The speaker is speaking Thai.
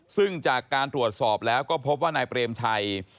ซึ่งจากการตรวจสอบแล้วก็พบว่านายเปรมชัย